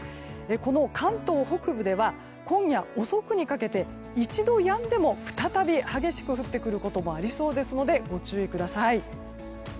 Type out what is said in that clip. この関東北部では今夜遅くにかけて一度やんでも再び激しく降ってくることもありそうですのでご注意ください。